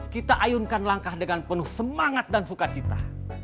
kita ayunkan langkah dengan penuh semangat dan sukacita